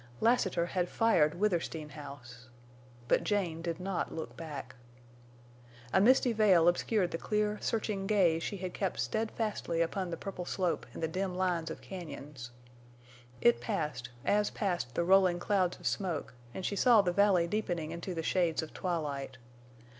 Lassiter had fired Withersteen House! But Jane did not look back. A misty veil obscured the clear, searching gaze she had kept steadfastly upon the purple slope and the dim lines of cañons. It passed, as passed the rolling clouds of smoke, and she saw the valley deepening into the shades of twilight.